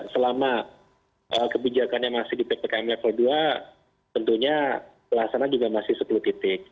selama kebijakannya masih di ppkm level dua tentunya pelaksanaan juga masih sepuluh titik